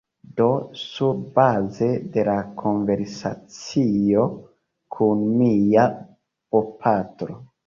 Do, surbaze de la konversacio kun mia bopatro